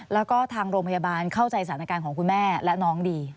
แล้วก็ทางโรงพยาบาลเข้าใจสถานการณ์ของคุณแม่และน้องดี